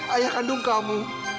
ayah kandung kamu